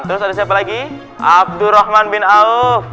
terus ada siapa lagi abdurrahman bin auf